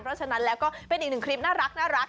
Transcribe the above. เพราะฉะนั้นแล้วก็เป็นอีกหนึ่งคลิปน่ารัก